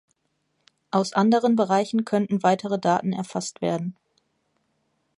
Aus anderen Bereichen könnten weitere Daten erfasst werden.